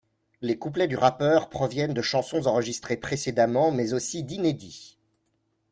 Les couplets du rappeur proviennent de chansons enregistrées précédemment mais aussi d'inédits.